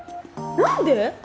何で？